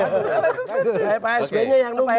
supaya pak s b nya yang nunggu ya